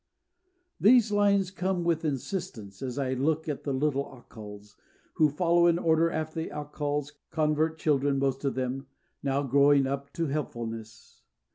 ] THESE lines come with insistence as I look at the little Accals, who follow in order after the Accals, convert children, most of them, now growing up to helpfulness.